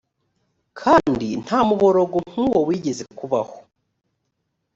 kandi nta muborogo nk uwo wigeze kubaho